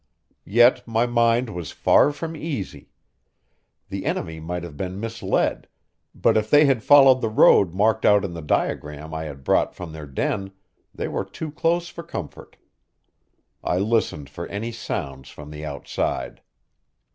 Yet my mind was far from easy. The enemy might have been misled, but if they had followed the road marked out in the diagram I had brought from their den, they were too close for comfort. I listened for any sound from the outside.